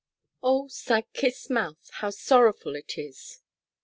'OH, SAD KISSED MOUTH, HOW SORROWFUL IT IS!'